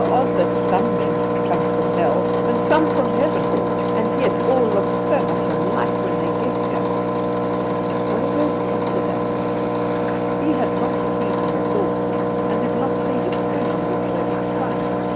"Odd that some men should come from hell and some from heaven, and yet all look so much alike when they get here." Waldo wondered at her. He had not the key to her thoughts, and did not see the string on which they were strung.